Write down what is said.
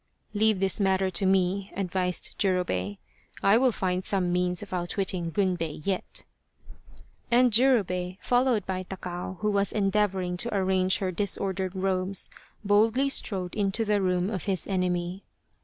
" Leave this matter to me !" advised Jurobei. " I will find some means of outwitting Gunbei yet." And Jurobei, followed by Takao who was endeavour ing to arrange her disordered robes, boldly strode into the room of his enemy.